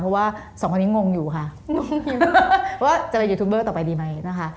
เพราะว่าสองคนนี้งงอยู่ค่ะงงว่าจะไปยูทูบเบอร์ต่อไปดีไหมนะคะ